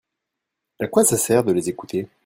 A quoi ça sert de les écouter ?